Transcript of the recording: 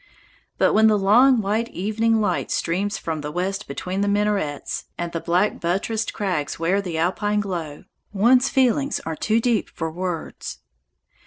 But when the long, white evening light streams from the west between the minarets, and the black buttressed crags wear the alpine glow, one's feelings are too deep for words.